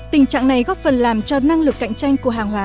tình trạng này góp phần làm cho năng lực cạnh tranh của hàng hóa